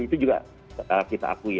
itu juga kita akui